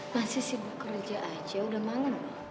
masih sibuk kerja aja udah malem